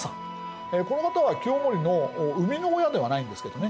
この方は清盛の生みの親ではないんですけどね